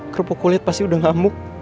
kerupuk kulit pasti udah ngamuk